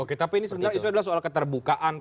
oke tapi ini sebenarnya isunya soal keterbukaan tadi ya